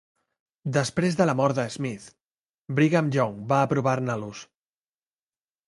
Després de la mort de Smith, Brigham Young va aprovar-ne l'ús.